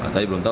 tapi belum tahu